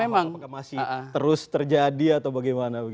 apakah masih terus terjadi atau bagaimana